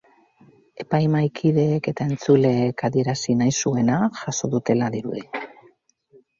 Epaimahai-kideek eta entzuleek adierazi nahi zuena jaso dutela dirudi.